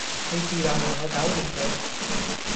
你是旦同我搞掂佢